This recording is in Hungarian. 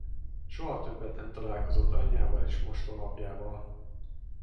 Soha többet nem találkozott anyjával és mostohaapjával.